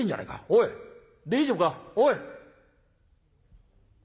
おい大丈夫か？おい」。